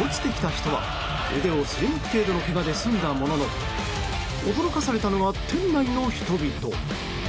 落ちてきた人は腕をすりむく程度のけがで済んだものの驚かされたのが店内の人々。